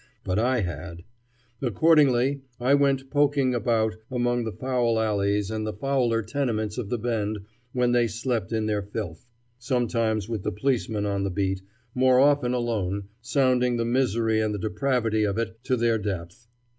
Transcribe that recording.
But I had. Accordingly I went poking about among the foul alleys and fouler tenements of the Bend when they slept in their filth, sometimes with the policeman on the beat, more often alone, sounding the misery and the depravity of it to their depth.